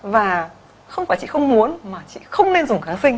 và không phải chị không muốn mà chị không nên dùng kháng sinh